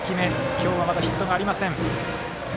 今日は、まだヒットがありません。